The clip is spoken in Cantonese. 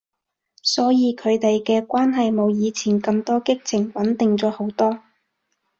所以佢哋嘅關係冇以前咁多激情，穩定咗好多